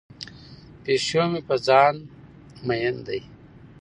پیشو مې په ځان مین دی.